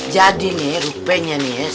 jadi nih rupanya nih